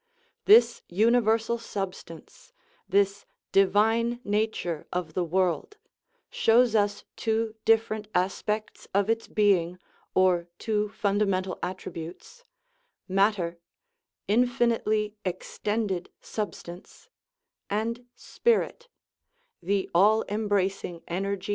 This universal substance, this " divine nature of the world," shows us two different aspects of its being, or two fundamental attributes matter (infinitely extended substance) and spirit (the all embracing energy of * Cf